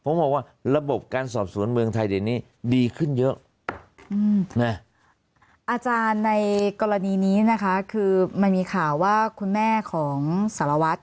นะคะคือมีข่าวว่าคุณแม่ของสารวัฒน์